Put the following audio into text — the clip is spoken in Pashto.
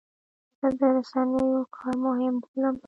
زه د رسنیو کار مهم بولم.